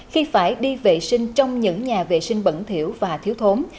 khi phải đi vệ sinh trong những nhà vệ sinh bẩn thiểu và thiếu thốn